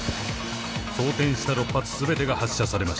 装てんした６発全てが発射されました。